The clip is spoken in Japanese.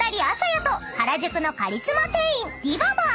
也と原宿のカリスマ店員］